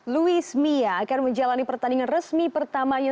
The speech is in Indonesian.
luis mia akan menjalani pertandingan resmi pertamanya